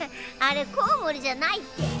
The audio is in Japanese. あれコウモリじゃないって。